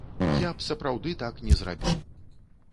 Я б сапраўды так не зрабіў.